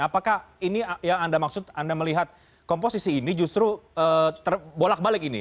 apakah ini yang anda maksud anda melihat komposisi ini justru terbolak balik ini